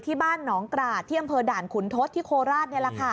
ที่บ้านหนองกราดที่อำเภอด่านขุนทศที่โคราชนี่แหละค่ะ